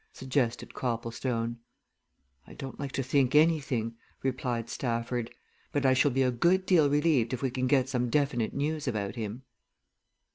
suggested Copplestone. "I don't like to think anything," replied Stafford. "But I shall be a good deal relieved if we can get some definite news about him."